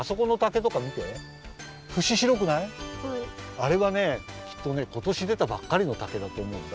あれはねきっとねことしでたばっかりの竹だとおもうんだ。